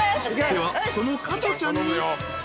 ［ではそのカトちゃんに］